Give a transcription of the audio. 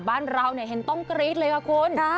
บ้านเราเห็นต้องกรี๊ดเลยค่ะคุณ